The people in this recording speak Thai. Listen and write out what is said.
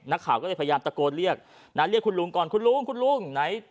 นักข่าวก็เลยพยายามตะโกนเรียกนะเรียกคุณลุงก่อนคุณลุงคุณลุงไหน